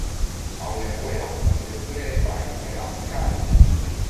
Au nevoie acum de punere practică în aplicare.